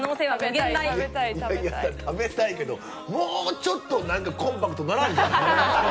いやいや食べたいけどもうちょっとなんかコンパクトにならんのかね？